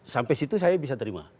sampai situ saya bisa terima